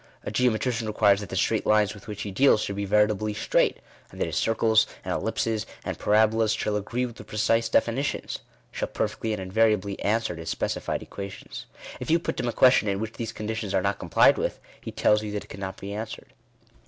A geometrician requires that the straight lines with which he deals shall be veritably straight ; and that his circles, and ellipses, and para bolas shall agree with precise definitions — shall perfectly and invariably answer to specified equations. If you put to him a question in which these conditions are not complied with, he tells you that it cannot be answered.